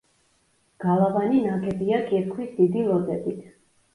გალავანი ნაგებია კირქვის დიდი ლოდებით.